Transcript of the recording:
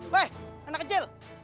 weh anak kecil